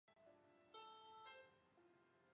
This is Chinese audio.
曾祖盛珰曾为吴越国余杭县令。